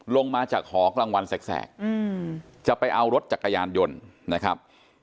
ลงมาจากหอกลางวันแสกจะไปเอารถจักรยานยนต์นะครับ